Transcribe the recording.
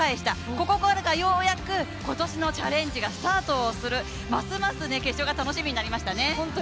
ここからがようやく今年のチャレンジがスタートする、ますます決勝が楽しみになりましたね。